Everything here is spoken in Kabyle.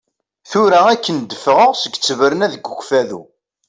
Tura akken d-fɣaɣ seg ttberna deg Ukfadu.